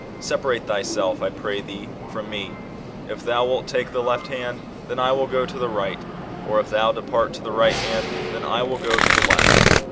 " Separate thyself, I pray thee, from me; if thou wilt take the left hand, then I will go to the right; or if thou depart to the light hand, then I will go to the left."